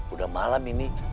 udah malam ini